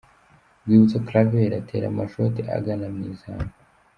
Rwibutso Claver atera amashoti agana mu izamu.